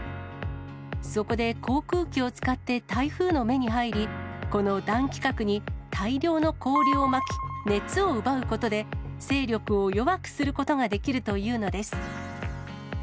そこで、航空機を使って台風の目に入り、この暖気核に、大量の氷をまき、熱を奪うことで、勢力を弱くすることができるというのです。